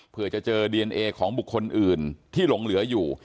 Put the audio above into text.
เพื่อจะเจอดีเอนเอของบุคคลอื่นที่หลงเหลืออยู่